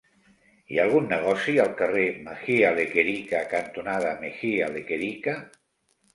Hi ha algun negoci al carrer Mejía Lequerica cantonada Mejía Lequerica?